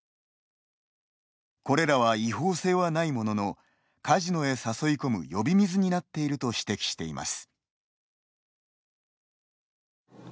これらは違法性はないもののカジノへ誘い込む呼び水になっていると指摘しています。